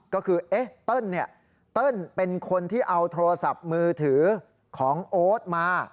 ก็คือเติ้ลเติ้ลเป็นคนที่เอาโทรศัพท์มือถือของโอ๊ตมา